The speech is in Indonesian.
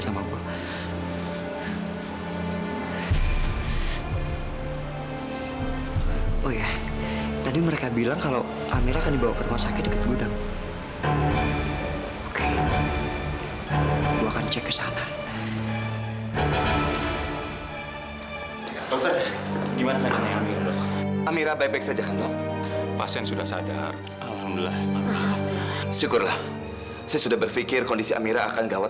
sampai jumpa di video selanjutnya